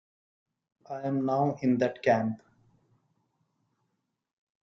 I am now in that camp.